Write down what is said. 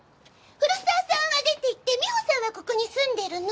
古沢さんは出ていって美穂さんはここに住んでるの。